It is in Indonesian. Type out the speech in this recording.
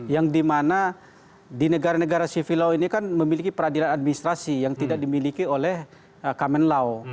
yang dimana di negara negara sivil law ini kan memiliki peradilan administrasi yang tidak dimiliki oleh kemen lau